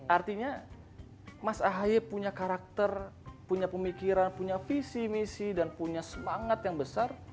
artinya mas ahaye punya karakter punya pemikiran punya visi misi dan punya semangat yang besar